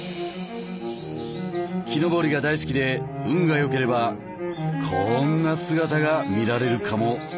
木登りが大好きで運がよければこんな姿が見られるかも。